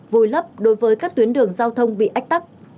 vùi lấp đối với các tuyến đường giao thông bị ách tắc